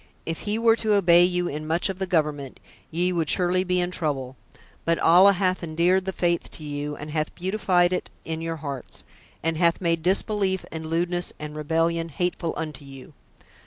If he were to obey you in much of the government, ye would surely be in trouble; but Allah hath endeared the faith to you and hath beautified it in your hearts, and hath made disbelief and lewdness and rebellion hateful unto you.